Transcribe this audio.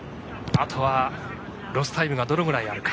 あとはロスタイムがどれくらいあるか。